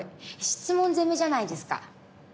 質問攻めじゃないですか。